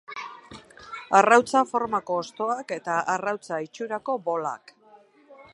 Arrautza formako hostoak eta arrautza itxurako bolak.